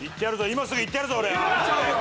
今すぐいってやるぞ。